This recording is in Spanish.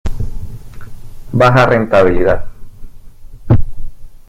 Baja rentabilidad.